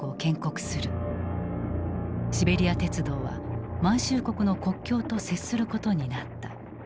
シベリア鉄道は満州国の国境と接することになった。